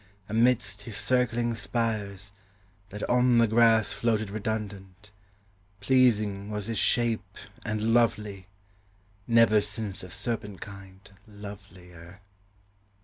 Amidst his circling spires, that on the grass Floated redundant: pleasing was his shape And lovely; never since of serpent kind Lovelier.